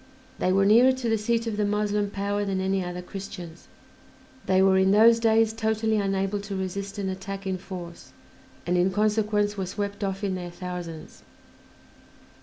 They were nearer to the seat of the Moslem power than any other Christians; they were in those days totally unable to resist an attack in force, and in consequence were swept off in their thousands.